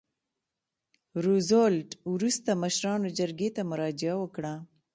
روزولټ وروسته مشرانو جرګې ته مراجعه وکړه.